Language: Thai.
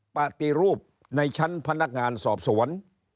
ปฏิรูปในชั้นพนักงานสอบสวน